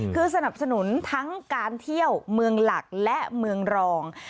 คือสนับสนุนทั้งการเที่ยวเมืองหลักและเมืองรอง